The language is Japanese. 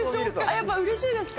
やっぱりうれしいですか？